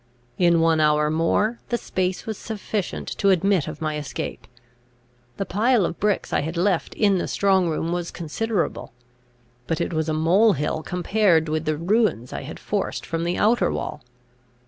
In one hour more, the space was sufficient to admit of my escape. The pile of bricks I had left in the strong room was considerable. But it was a mole hill compared with the ruins I had forced from the outer wall.